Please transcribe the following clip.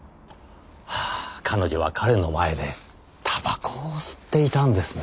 ああ“彼女”は“彼”の前でたばこを吸っていたんですね。